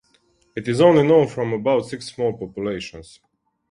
It is only known from about six small populations.